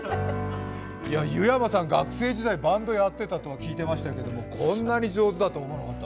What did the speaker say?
湯山さん、学生時代バンドやってたとは聞いてましたけど、こんなに上手だとは思わなかった。